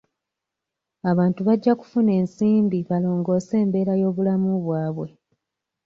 Abantu bajja kufuna ensimbi balongoose embeera y'obulamu bwabwe.